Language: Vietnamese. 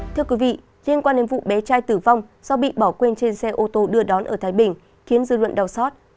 thưa quý vị liên quan đến vụ bé trai tử vong do bị bỏ quên trên xe ô tô đưa đón ở thái bình khiến dư luận đau xót